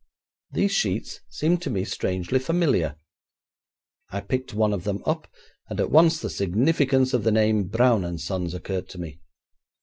These sheets seemed to me strangely familiar. I picked one of them up, and at once the significance of the name Braun and Sons occurred to me.